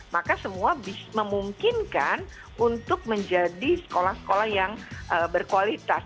maka semua memungkinkan untuk menjadi sekolah sekolah yang berkualitas